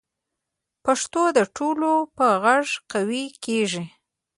پښتو د ټولو په غږ قوي کېږي.